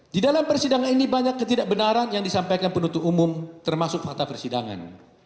di dalam persidangan ini banyak ketidakbenaran yang disampaikan penutup umum termasuk fakta persidangan